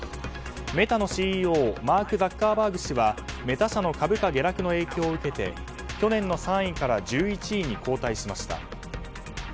メタのＣＥＯマーク・ザッカーバーグ氏はメタ社の株価下落の影響を受けて去年の３位から１１位に後退しました。